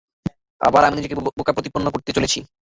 আবার আমি নিজেকে বোকা প্রতিপন্ন করতে চলেছি।